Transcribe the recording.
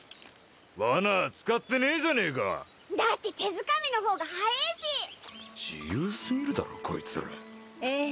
ワナ使ってねえじゃねえかだって手づかみの方が早えし自由すぎるだろこいつらええ